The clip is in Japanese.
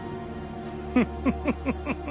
フフフフ。